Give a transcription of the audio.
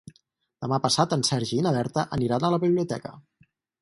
Demà passat en Sergi i na Berta aniran a la biblioteca.